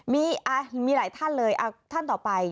มีหลายท่านเลยท่านต่อไป